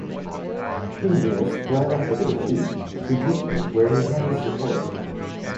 King Niels fled after the defeat to Jutland where he had his support.